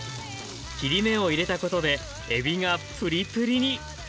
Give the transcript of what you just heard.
切り目を入れたことでえびがプリプリに。